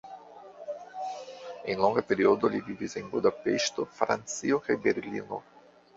En longa periodo li vivis en Budapeŝto, Francio kaj Berlino.